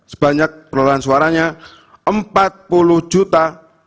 sebanyak perolahan suaranya empat puluh sembilan ratus tujuh puluh satu sembilan ratus enam